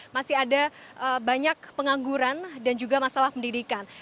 masih ada banyak pengangguran dan juga masalah pendidikan